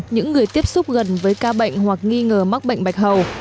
những người tiếp xúc gần với ca bệnh hoặc nghi ngờ mắc bệnh bạch hầu